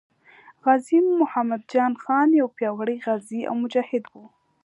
غازي محمد جان خان یو پیاوړی غازي او مجاهد وو.